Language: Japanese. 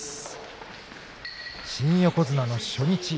新横綱の初日。